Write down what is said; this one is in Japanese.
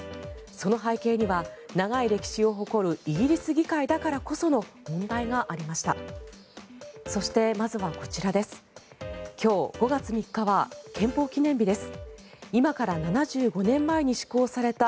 その背景には長い歴史を誇るイギリス議会だからこその問題がありました。